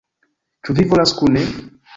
Ĉu vi volas kune?